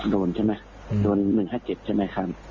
โดน๑๕๗ใช่ไหมค่ะ